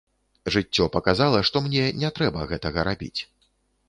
Жыццё паказала, што мне не трэба гэтага рабіць.